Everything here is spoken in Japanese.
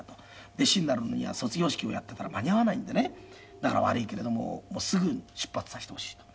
「弟子になるのには卒業式をやってたら間に合わないんでねだから悪いけれどもすぐ出発させてほしい」と。